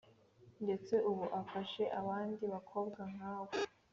ndetse ubu afasha abandi bakobwa nkawe.